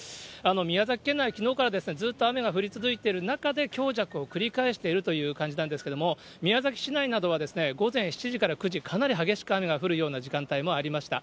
宮崎県内、きのうからずっと雨が降り続いている中で、強弱を繰り返しているという感じなんですけれども、宮崎市内などは午前７時から９時、かなり激しく雨が降るような時間帯もありました。